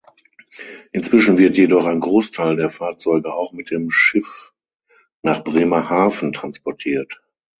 Inzwischen wird jedoch ein Großteil der Fahrzeuge auch mit dem Schiff nach Bremerhaven transportiert.